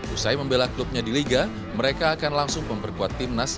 usai membela klubnya di liga mereka akan langsung memperkuat timnas